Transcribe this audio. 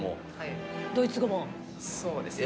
そうですね。